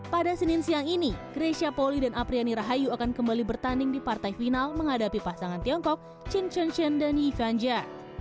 pada senin siang ini grecia pauli dan apriani rahayu akan kembali bertanding di partai final menghadapi pasangan tiongkok chin chunshen dan yi fanjia